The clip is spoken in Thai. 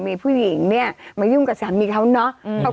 มีผู้หญิงเนี่ยมายุ่งกับสามีเขาเนาะ